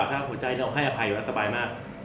ถ้าขอโทษด้วยหัวใจแล้วเพราะให้อภัยอ่ะสบายมาก